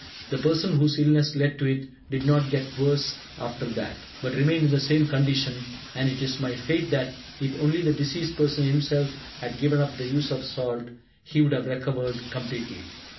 The person whose illness led to it did not get worse after that, but remained in the same condition; and it is my faith that, if only the diseased person himself had given up the use of salt, he would have recovered completely.